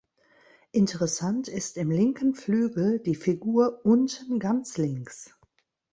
Interessant ist im linken Flügel die Figur unten ganz links.